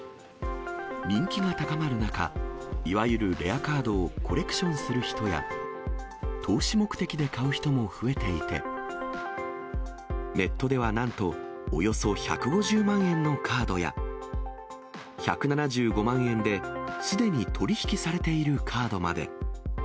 人気が高まる中、いわゆるレアカードをコレクションする人や、投資目的で買う人も増えていて、ネットではなんと、およそ１５０万円のカードや、１７５万円で、すでに取り引きされているカードまで。